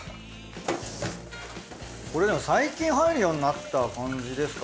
これでも最近入るようになった感じですか？